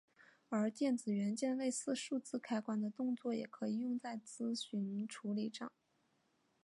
而电子元件类似数字开关的动作也可以用在资讯处理上。